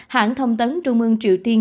hãng thông tấn trung ương triều tiên